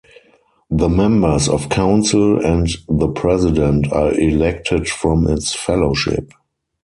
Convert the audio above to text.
The members of Council and the President are elected from its Fellowship.